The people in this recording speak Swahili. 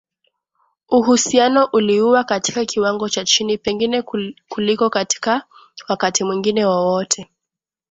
Uhusiano uliuwa katika kiwango cha chini pengine kuliko katika wakati mwingine wowote